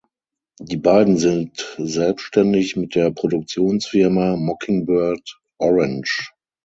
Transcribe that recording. Die beiden sind selbstständig mit der Produktionsfirma "Mockingbird Orange".